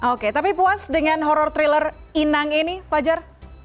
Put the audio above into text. oke tapi puas dengan horror thriller inang ini fajar